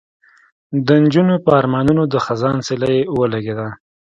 د نجونو په ارمانونو د خزان سیلۍ ولګېده